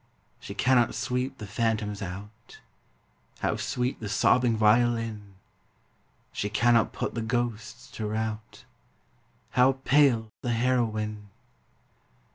She cannot sweep the phantoms out How sweet the sobbing violin! She cannot put the ghosts to rout How pale the heroine!